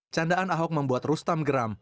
candaan ahok membuat rustam geram